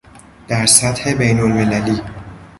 در سطح بین المللی